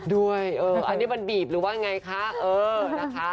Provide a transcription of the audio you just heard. ด้วยอันนี้มันบีบหรือว่าไงคะเออนะคะ